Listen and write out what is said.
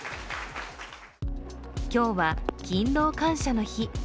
今日は勤労感謝の日。